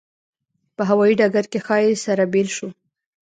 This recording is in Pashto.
په هوایي ډګر کې ښایي سره بېل شو.